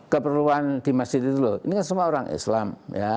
keperluan di masjid itu loh ini kan semua orang islam